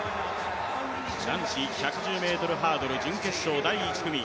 男子１１０ｍハードル準決勝、第１組。